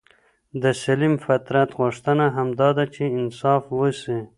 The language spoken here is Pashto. د سلیم فطرت غوښتنه همدا ده چي انصاف وسي.